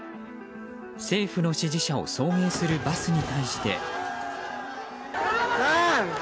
政府の支持者を送迎するバスに対して。